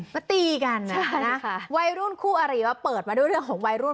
ก็ตีกันวัยรุ่นคู่อารีก็เปิดมาด้วยเรื่องของวัยรุ่น